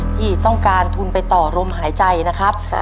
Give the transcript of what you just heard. ที่ต้องการทุนไปต่อลมหายใจนะครับ